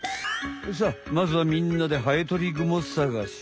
さあまずはみんなでハエトリグモさがし。